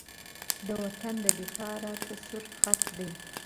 د وطن دفاع راته سور خط دی.